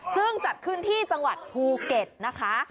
ซึ่งจัดขึ้นที่จังหวัดภูเก็ตนะคะ